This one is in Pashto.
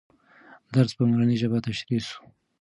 درس په مورنۍ ژبه تشریح سو.